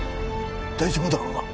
大丈夫だろうな？